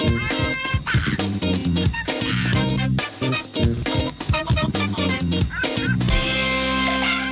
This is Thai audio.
ยังน่าสนใจกว่าอีกที่ออกมาเสีย